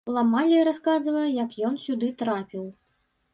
Ламалі расказвае, як ён сюды трапіў.